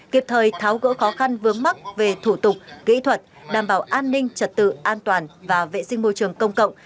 kịp thời tháo gỡ khó khăn vướng mắt về thủ tục kỹ thuật đảm bảo an ninh trật tự an toàn và vệ sinh môi trường công cộng